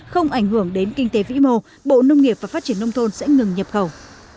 không ảnh hưởng đến kinh tế vĩ mô bộ nông nghiệp và phát triển nông thôn sẽ ngừng nhập khẩu